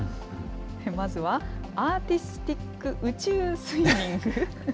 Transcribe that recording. まずは、アーティスティック宇宙スイミング。